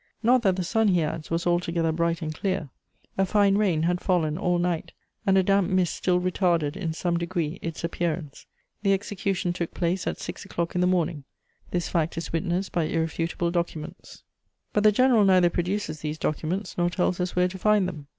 _ Not that the sun," he adds, "was altogether bright and clear; a fine rain had fallen all night, and a damp mist still retarded, in some degree, its appearance. The execution took place at six o'clock in the morning: this fact is witnessed by irrefutable documents." * [Sidenote: The execution.] But the general neither produces these documents nor tells us where to find them.